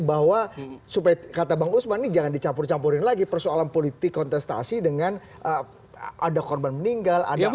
bahwa supaya kata bang usman ini jangan dicampur campurin lagi persoalan politik kontestasi dengan ada korban meninggal